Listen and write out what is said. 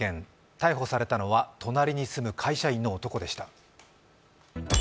逮捕されたのは、隣に住む会社員の男でした。